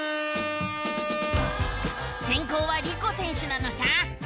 せんこうはリコ選手なのさ！